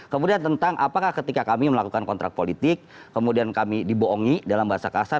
kemudian tentang apakah ketika kami melakukan kontrak politik kemudian kami dibohongi dalam bahasa kasar